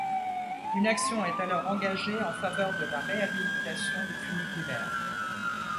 Une action est alors engagée en faveur de la réhabilitation du funiculaire.